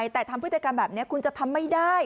แต่ทำพฤติกรรมแบบนี้คุณจะทำไม่ได้